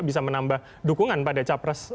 bisa menambah dukungan pada capres